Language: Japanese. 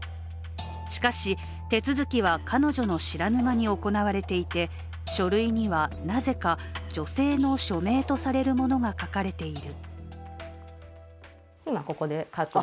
しかし、手続きは彼女の知らぬ間に行われていて書類にはなぜか女性の署名とされるものが書かれている。